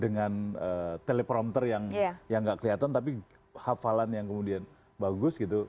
dengan teleprompter yang gak kelihatan tapi hafalan yang kemudian bagus gitu